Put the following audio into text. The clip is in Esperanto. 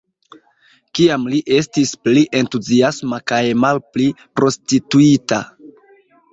Kiam li estis pli entuziasma kaj malpli prostituita.